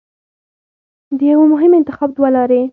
د یوه مهم انتخاب دوه لارې